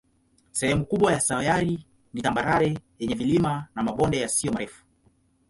Sehemu kubwa ya sayari ni tambarare yenye vilima na mabonde yasiyo marefu.